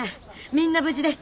みんな無事です。